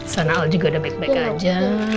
sana al juga ada bag bag aja